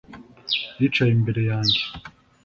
Yicaye imbere yanjye